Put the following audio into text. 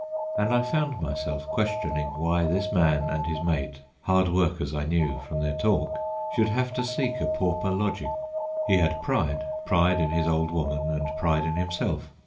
And I found myself questioning why this man and his mate, hard workers I knew from their talk, should have to seek a pauper lodging. He had pride, pride in his old woman and pride in himself.